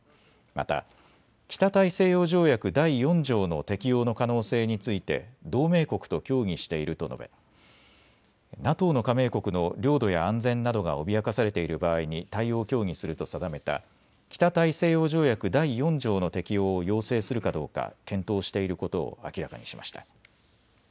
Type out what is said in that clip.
また北大西洋条約第４条の適用の可能性について同盟国と協議していると述べＮＡＴＯの加盟国の領土や安全などが脅かされている場合に対応を協議すると定めた北大西洋条約第４条の適用を要請するかどうか検討していることを明らかにしました。